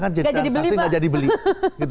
kalau ada yang asasi nggak jadi beli